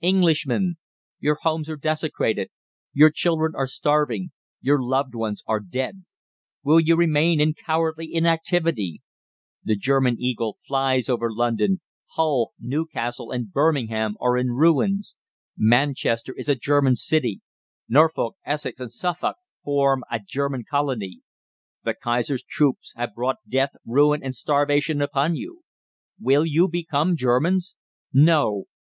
=ENGLISHMEN!= Your Homes are Desecrated! Your Children are Starving! Your Loved Ones are Dead! WILL YOU REMAIN IN COWARDLY INACTIVITY? The German Eagle flies over London. Hull, Newcastle and Birmingham are in ruins. Manchester is a German City. Norfolk, Essex, and Suffolk form a German colony. The Kaiser's troops have brought death, ruin, and starvation upon you. WILL YOU BECOME GERMANS? =NO!